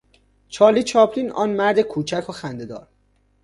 چارلی چاپلین، آن مرد کوچک و خندهدار